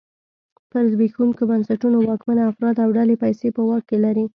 پر زبېښونکو بنسټونو واکمن افراد او ډلې پیسې په واک کې لري.